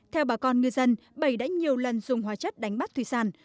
theo bà con ngư dân bảy đã nhiều lần dùng hóa chất đánh bắt thủy sản